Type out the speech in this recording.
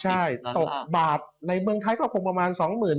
ใช่ตกบาทในเมืองไทยก็คงประมาณ๒๐๐๐